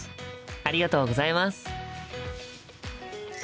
ありがとうございます。